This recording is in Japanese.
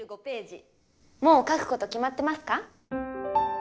もう描くこと決まってますか？